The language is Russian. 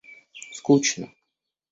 скучно